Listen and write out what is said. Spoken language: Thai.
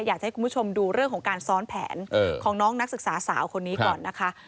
อยากให้คุณผู้ชมดูเรื่องของการซ้อนแผนของน้องนักศึกษาสาวคนนี้ก่อนนะคะ